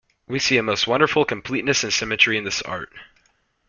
We see a most wonderful completeness and symmetry in this art.